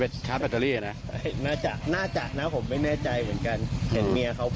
เอเชาร์แมทอะไรแบบนี้